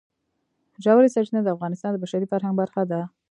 ژورې سرچینې د افغانستان د بشري فرهنګ برخه ده.